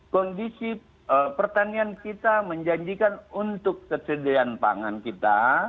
kondisi pertanian kita menjanjikan untuk kesediaan pangan kita